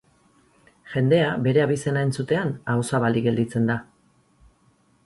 Jendea bere abizena entzutean ahozabalik gelditzen da.